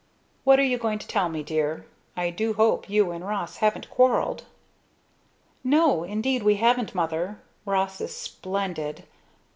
What are you going to tell me, dear? I do hope you and Ross haven't quarrelled." "No indeed we haven't, Mother. Ross is splendid.